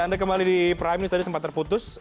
anda kembali di prime news tadi sempat terputus